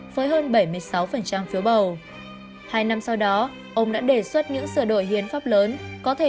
hai nghìn một mươi tám với hơn bảy mươi sáu phiếu bầu hai năm sau đó ông đã đề xuất những sửa đổi hiến pháp lớn có thể